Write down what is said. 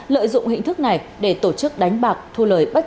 lợi dụng hình thức này để tổ chức đánh bạc thu lời bất